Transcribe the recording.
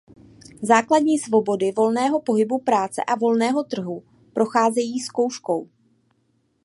Základní svobody volného pohybu práce a volného trhu procházejí zkouškou.